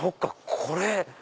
これ。